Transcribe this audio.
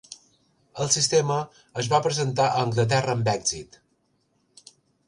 El sistema es va presentar a Anglaterra amb èxit.